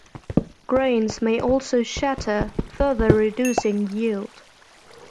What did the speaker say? Grains may also shatter, further reducing yield.